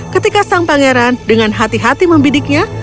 ketika sang pangeran dengan hati hati membidiknya